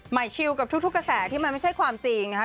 ชิลกับทุกกระแสที่มันไม่ใช่ความจริงนะคะ